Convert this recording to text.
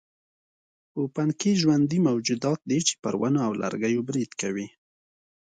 پوپنکي ژوندي موجودات دي چې پر ونو او لرګیو برید کوي.